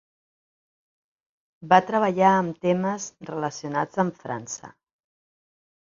Va treballar amb temes relacionats amb França.